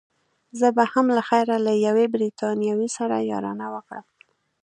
زه به هم له خیره له یوې بریتانوۍ سره یارانه وکړم.